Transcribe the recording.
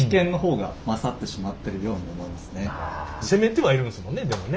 攻めてはいるんですもんねでもね。